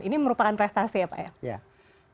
ini merupakan perhitungan yang sangat penting untuk menjelaskan